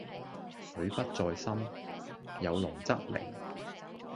水不在深，有龍則靈